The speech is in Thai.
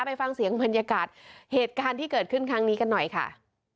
ไปฟังเสียงบรรยากาศเหตุการณ์ที่เกิดขึ้นครั้งนี้กันหน่อยค่ะ